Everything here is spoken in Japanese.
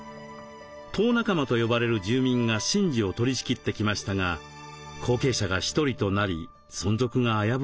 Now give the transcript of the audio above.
「頭仲間」と呼ばれる住民が神事を取りしきってきましたが後継者が１人となり存続が危ぶまれています。